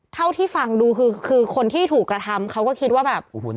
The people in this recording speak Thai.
เท่าที่ฟังดูคือคนที่ถูกกระทำเขาก็คิดว่าแบบโอ้โห